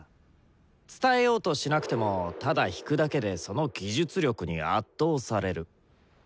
伝えようとしなくてもただ弾くだけでその技術力に圧倒される。